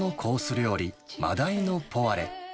料理、マダイのポワレ。